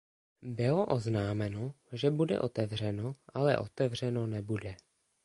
Bylo oznámeno, že bude otevřeno, ale otevřeno nebude.